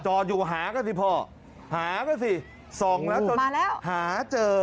จอดอยู่หาก็สิพอหาก็สิส่องแล้วจนหาเจอ